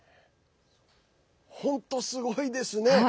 本当すごいですね！